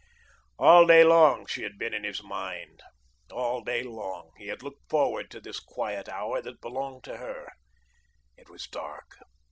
All day long she had been in his mind. All day long he had looked forward to this quiet hour that belonged to her. It was dark.